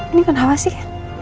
ini kenapa sih